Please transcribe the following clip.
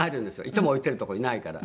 いつも置いてるとこにないから。